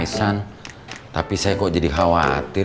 sini pakanku softer